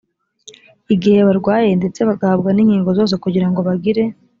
igihe barwaye ndetse bagahabwa n inkingo zose kugira ngo bagire